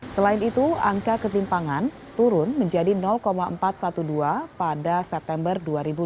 selain itu angka ketimpangan turun menjadi empat ratus dua belas pada september dua ribu dua puluh